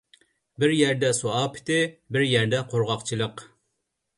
بىر يەردە سۇ ئاپىتى، بىر يەردە قۇرغاقچىلىق.